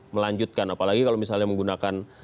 melanjutkan apalagi kalau misalnya menggunakan